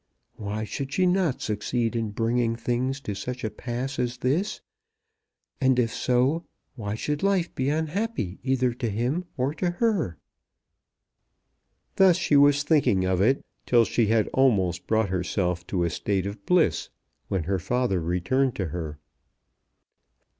Why should she not succeed in bringing things to such a pass as this; and if so, why should life be unhappy either to him or to her? Thus she was thinking of it till she had almost brought herself to a state of bliss, when her father returned to her.